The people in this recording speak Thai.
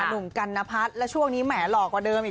หนุ่มกันนพัฒน์และช่วงนี้แหมหล่อกว่าเดิมอีก